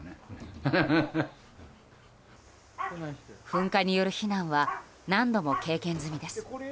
噴火による避難は何度も経験済みです。